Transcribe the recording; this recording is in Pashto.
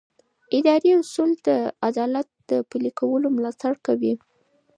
اداري اصول د عدالت د پلي کولو ملاتړ کوي.